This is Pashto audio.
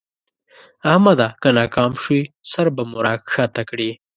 احمده! که ناکام شوې؛ سر به مو راکښته کړې.